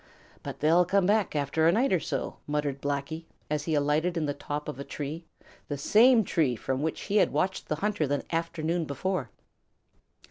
"But they'll come back after a night or so," muttered Blacky, as he alighted in the top of a tree, the same tree from which he had watched the hunter the afternoon before.